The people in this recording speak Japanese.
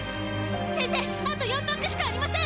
先生あと４パックしかありません！